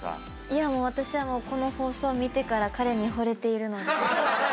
いや私はもうこの放送を見てから彼にほれているので。